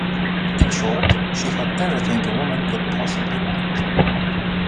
In short, she had everything a woman could possibly want.